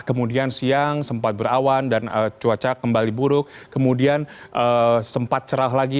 kemudian siang sempat berawan dan cuaca kembali buruk kemudian sempat cerah lagi